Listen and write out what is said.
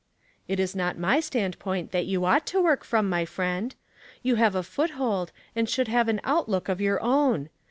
" It is not my standpoint that you oiight to work from, my friend. You have a foothold, and should have an outlook of your own.